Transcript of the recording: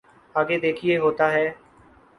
آگے دیکھیے ہوتا ہے۔